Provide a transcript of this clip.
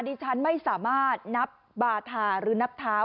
ดิฉันไม่สามารถนับบาธาหรือนับเท้า